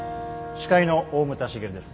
司会の大牟田茂です。